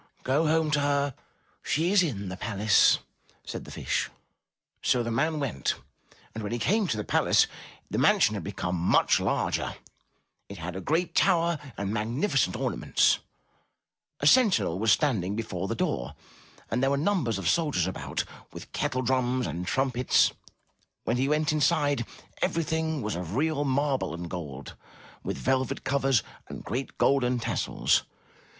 '' '*Go home to her; she is in the palace, said the Fish. So the man went and when he came to the palace, the mansion had become much larger; it had a great tower and magnificent ornaments; a sentinel was standing before the door, and there were numbers of soldiers about, with kettle drums and trumpets. When he went inside, everything was of real marble and gold, with velvet covers and great golden tassels.